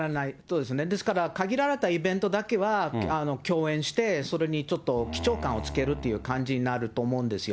ですから、限られたイベントだけは共演して、それにちょっと貴重感をつけるって感じになると思うんですよ。